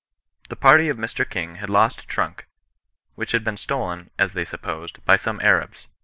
The party of Mr. King had lost a trunk, which had been stolen, as they supposed, by some Arabs.